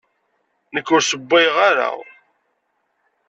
Nekk ur ssewwayeɣ ara.